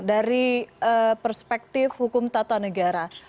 dari perspektif hukum tata negara